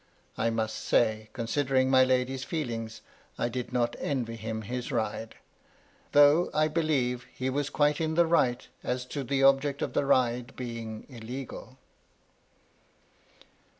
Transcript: I must say, considering my lady's feeling, I did not envy him his ride, — though, I believe, he was quite in the right as to the object of the ride being illegal.